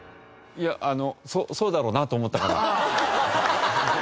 いやあのそうだろうなと思ったから。